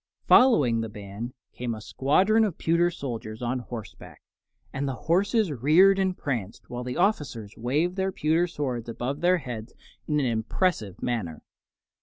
Following the band came a squadron of pewter soldiers on horseback, and the horses reared and pranced, while the officers waved their pewter swords above their heads in an impressive manner.